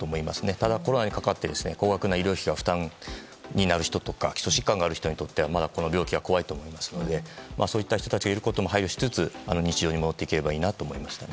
ただコロナにかかって高額の医療費が負担になる人や基礎疾患がある人にとってはこの料金は怖いと思いますのでそういった人たちがいることも配慮しつつ日常に戻っていけばいいなと思いますね。